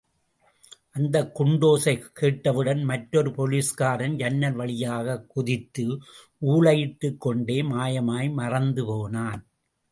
அந்தக் குண்டோசை கேட்டவுடன் மற்றொரு போலிஸ்காரன் ஜன்னல் வழியாகக் குதித்து, ஊளையிட்டுக்கொண்டே மாயமாய் மறைந்து போனான்.